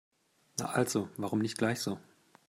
Na also, warum nicht gleich so?